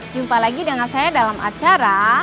jumpa lagi dengan saya dalam acara